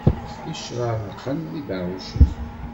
Icraraqen d ibeɛɛucen.